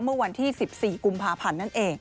เมื่อวันที่๑๔กุมภาพันธ์นั่นเอง